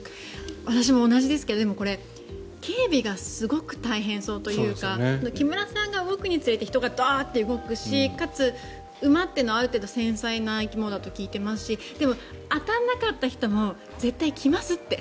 私も同じですけれどでもこれ警備がすごく大変そうというか木村さんが動くにつれて人がダーッと動くしかつ、馬ってのはある程度繊細な生き物だと聞いていますしでも当たらなかった人も絶対来ますって。